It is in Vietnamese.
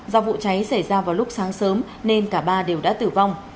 do vụ cháy xảy ra vào lúc sáng sớm nên cả ba đều đã tử vong